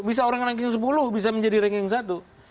bisa orang ranking sepuluh bisa menjadi ranking satu